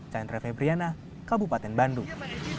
chandra febriana kabupaten bandung